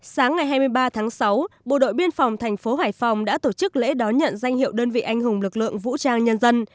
sáng ngày hai mươi ba tháng sáu bộ đội biên phòng thành phố hải phòng đã tổ chức lễ đón nhận danh hiệu đơn vị anh hùng lực lượng vũ trang nhân dân